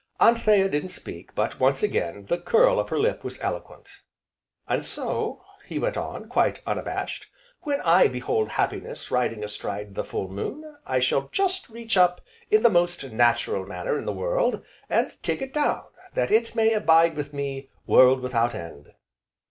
Anthea didn't speak but, once again, the curl of her lip was eloquent. "And so," he went on, quite unabashed, "when I behold Happiness riding astride the full moon, I shall just reach up, in the most natural manner in the world, and take it down, that it may abide with me, world without end."